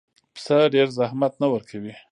پسه ډېر زحمت نه ورکوي.